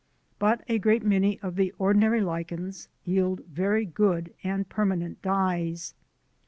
But a great many of the ordinary lichens yield very good and permanent dyes.